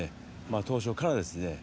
当初からですね